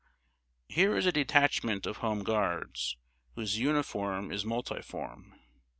_" Here is a detachment of Home Guards, whose "uniform is multiform."